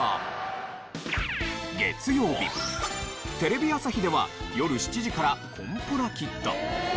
テレビ朝日では夜７時から『コンポラキッド』。